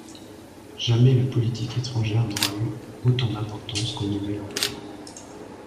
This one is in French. Jamais la politique étrangère n'aura eu autant d'importance qu'au Nouvel Empire.